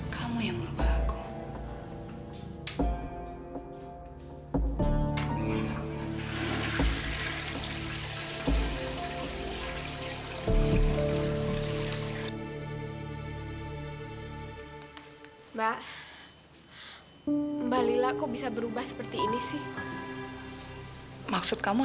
kamu yang merubah aku